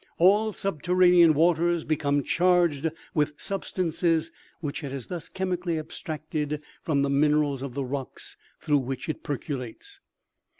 All subterranean waters become charged with substances THE NILE. 88 OMEGA. which it has thus chemically abstracted from the minerals of the rocks through which it percolates.